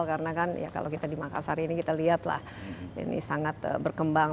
karena kan kalau kita di makassar ini kita lihatlah ini sangat berkembang